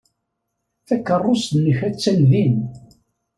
Takeṛṛust-nnek attan din.